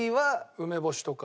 梅干しとか。